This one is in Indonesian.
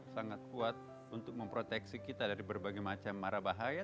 sangat kuat untuk memproteksi kita dari berbagai macam marah bahaya